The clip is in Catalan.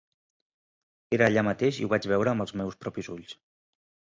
Era allà mateix i ho vaig veure amb els meus propis ulls.